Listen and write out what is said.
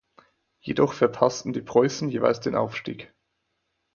Jedoch verpassten die Preussen jeweils den Aufstieg.